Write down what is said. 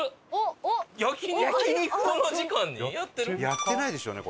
やってないでしょうね